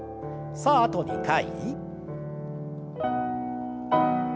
さああと２回。